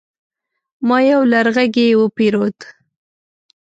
ما يو لرغږی وپيرود